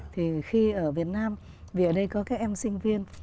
thì khi ở việt nam vì ở đây có các em sinh viên